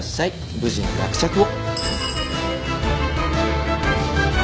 無事の落着を。